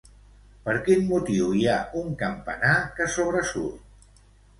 Per quin motiu hi ha un campanar que sobresurt?